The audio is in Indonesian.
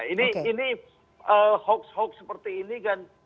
ini hoax hoax seperti ini kan